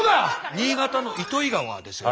新潟の糸魚川ですよね。